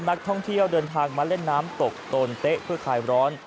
นักท่องเที่ยวเดินทางมาเล่นน้ำตกโตนเต๊ะเพื่อคลายร้อน